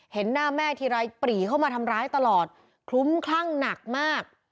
เห็นหน้าแม่ทีไรปรีเข้ามาทำร้ายตลอดคลุ้มคลั่งหนักมาก